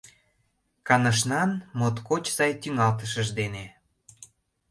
Канышнан моткоч сай тӱҥалтышыж дене!